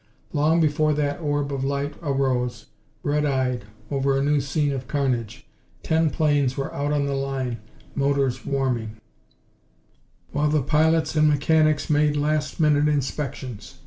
Long before that orb of light arose, red eyed, over a new scene of carnage, ten planes were out on the line, motors warming, while the pilots and mechanics made last minute inspections.